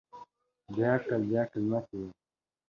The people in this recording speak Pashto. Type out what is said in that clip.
بېعقل، بېعقل مۀ کېږه.